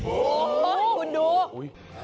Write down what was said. โอ้โหคุณดู